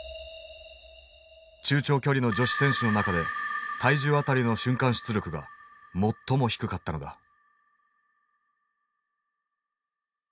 中長距離の女子選手の中で体重当たりの瞬間出力が最も低かったのだ。